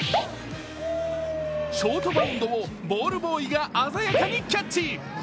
ショートバウンドをボールボーイが鮮やかにキャッチ。